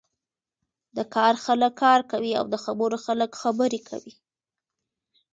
د کار خلک کار کوی او د خبرو خلک خبرې کوی.